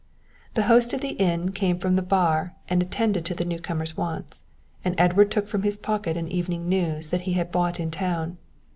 The host of the inn came from the bar and attended to the new comer's wants, and Edward took from his pocket an Evening News that he had bought in town.